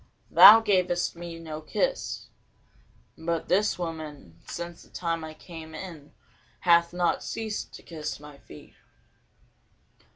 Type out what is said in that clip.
Thou gavest me no kiss: but this woman since the time I came in hath not ceased to kiss my feet.